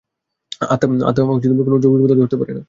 আত্মা কোন যৌগিক পদার্থ হইতে পারে না।